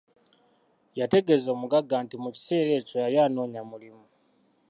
Yategeeza omugagga nti mu kiseera ekyo yali anoonya mulimu.